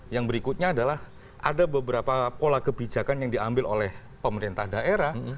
yang berikutnya adalah ada beberapa pola kebijakan yang diambil oleh pemerintah daerah